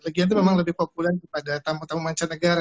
legian itu memang lebih populer kepada tamu tamu mancanegara